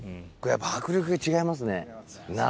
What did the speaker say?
やっぱり迫力が違いますね、